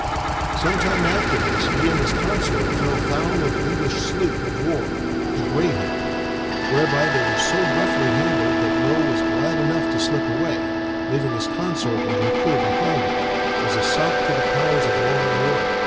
Some time after this he and his consort fell foul of an English sloop of war, the Greyhound, whereby they were so roughly handled that Low was glad enough to slip away, leaving his consort and her crew behind him, as a sop to the powers of law and order.